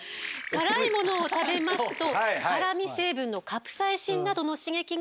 辛いものを食べますと辛み成分のカプサイシンなどの刺激が脳に伝わります。